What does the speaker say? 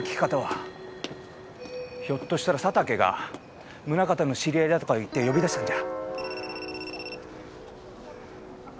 ひょっとしたら佐竹が宗形の知り合いだとか言って呼び出したんじゃ。